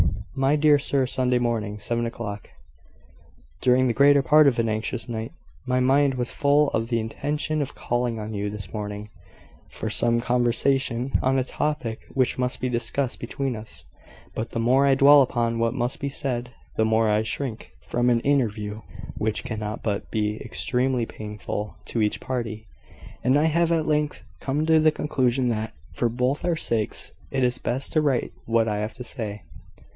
"My Dear Sir, Sunday Morning, 7 o'clock. "During the greater part of an anxious night, my mind was full of the intention of calling on you this morning, for some conversation on a topic which must be discussed between us; but the more I dwell upon what must be said, the more I shrink from an interview which cannot but be extremely painful to each party; and I have at length come to the conclusion that, for both our sakes, it is best to write what I have to say.